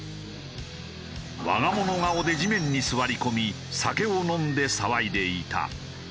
我がもの顔で地面に座り込み酒を飲んで騒いでいた。